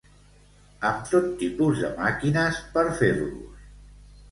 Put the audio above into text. Amb tot tipus de màquines per fer-los.